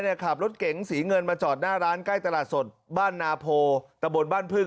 ขับรถเก๋งสีเงินมาจอดหน้าร้านใกล้ตลาดสดบ้านนาโพตะบนบ้านพึ่ง